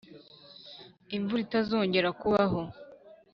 imvura itazongera kubaho.